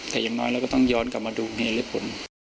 แต่อย่างน้อยเราก็ต้องย้อนกลับมาดูในเล็กผล